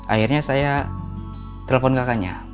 akhirnya saya telepon kakaknya